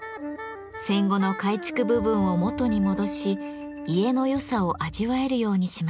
戦後の改築部分を元に戻し家のよさを味わえるようにしました。